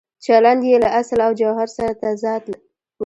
چلند یې له اصل او جوهر سره تضاد ولري.